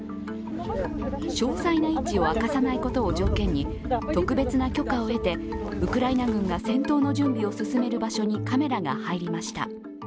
詳細な位置を明かさないことを条件に、特別な許可を得てウクライナ軍が戦闘の準備を進める場所にカメラが入りました。